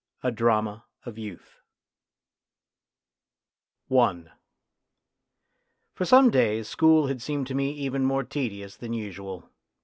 A DRAMA OF YOUTH FOR some days school had seemed to me even more tedious than usual.